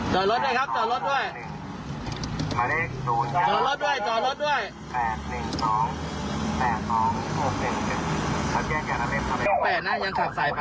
จะได้ยินไหมครับ